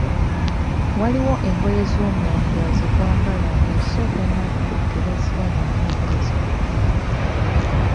Waliwo engoye ez'omunda ze twambala nga zo bannaffe tebaziraba nga engoye ez'omunda.